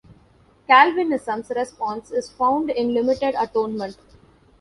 Calvinism's response is found in Limited Atonement.